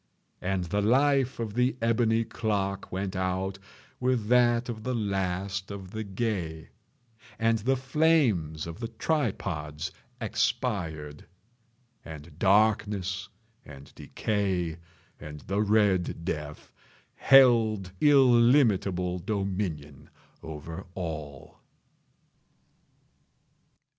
And the life of the ebony clock went out with that of the last of the gay. And the flames of the tripods expired. And Darkness and Decay and the Red Death held illimitable dominion over all.